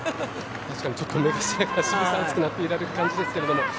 確かにちょっと目頭熱くなられてる感じですけど。